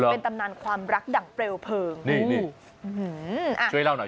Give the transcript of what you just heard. เป็นตำนานความรักดั่งเปลวเพลิงนี่นี่ช่วยเล่าหน่อย